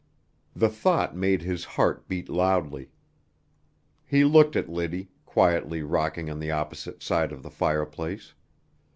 The thought made his heart beat loudly. He looked at Liddy, quietly rocking on the opposite side of the fireplace.